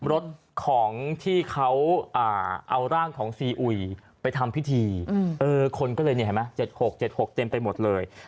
รถของที่เขาเอาร่างของซีอุยไปทำพิธีคนก็เลยเห็นไหม๗๖๗๖เต็มไปหมดเลย